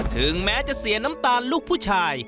ถึงแม้จะเสียน้ำตาลลูกผู้ชาย